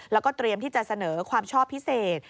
แล้วก็เตรียมที่จะเสนอความชอบพิเศษ